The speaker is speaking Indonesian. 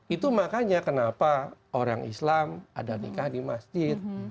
itu makanya kenapa orang islam ada nikah di masjid